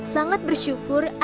sangat bersyukur atau tidak